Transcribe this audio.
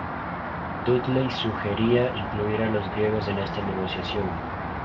Dudley sugería incluir a los griegos en esta negociación.